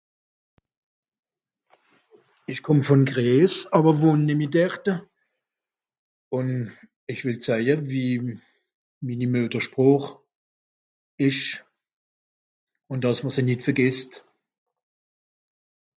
esch komm von Gries awer wohn nemmi derte un esch wìll zaje wie minni muettersproch esch un dàss mr se nìt vergesst